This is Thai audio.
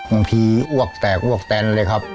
บางทีอวกแตกอวกแตนเลยครับ